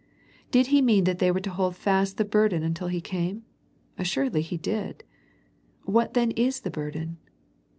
Did He mean that they were to hold fast the burden until He came? Assuredly He did. What then is the burden